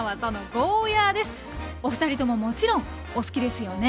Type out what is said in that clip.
おふたりとももちろんお好きですよね。